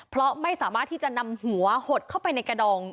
เพราะไม่สามารถที่จะนำหัวหดเข้าไปในกระดอง